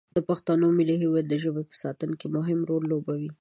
د پښتنو ملي هویت د ژبې په ساتنه کې مهم رول لوبولی دی.